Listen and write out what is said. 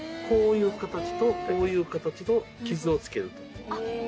こういう形とこういう形の傷をつける。